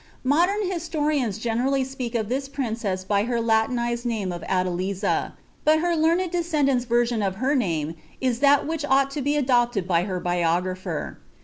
Slodem historians generally speak this princess by her Latinized name of Adeliza, but her learned Kduknt's version of her name is that which ought to be adopted bcr haugrepher.